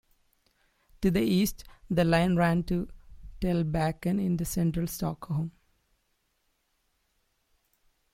To the east, the line ran to Tegelbacken in central Stockholm.